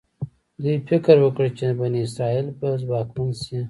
دوی فکر وکړ چې بني اسرایل به ځواکمن شي.